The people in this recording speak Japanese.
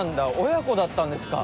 親子だったんですか。